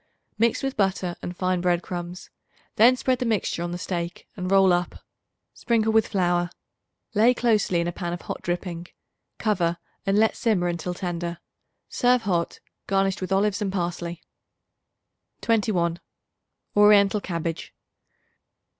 Mix with butter and fine bread crumbs; then spread the mixture on the steak, and roll up. Sprinkle with flour; lay closely in a pan of hot dripping; cover and let simmer until tender. Serve hot, garnished with olives and parsley. 21. Oriental Cabbage.